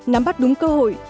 nắm bắt đúng cơ hội